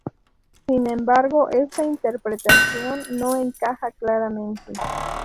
Sin embargo esta interpretación no encaja claramente.